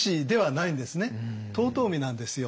遠江なんですよ。